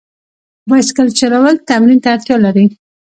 بایسکل چلول تمرین ته اړتیا لري.